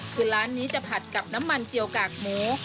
คือร้านนี้จะผัดกับน้ำมันเจียวกากหมู